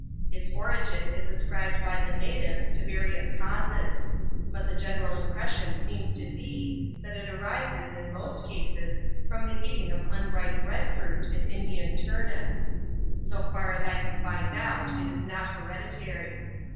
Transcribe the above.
Its origin is ascribed by the natives to various causes : but the general impression seems to be, that it arises in most cases from the eating of un ripe bread fruit and Indian turnip. So far as I could find out, it is not hereditary.